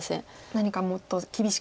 何かもっと厳しく。